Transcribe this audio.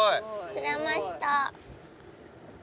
釣れました。